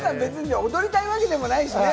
踊りたいわけでもないしね。